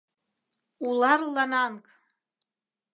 — Улар-лананг!